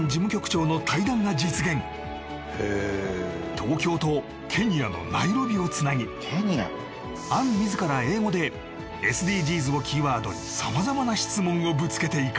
東京とケニアのナイロビをつなぎ杏自ら英語でＳＤＧｓをキーワードに様々な質問をぶつけていく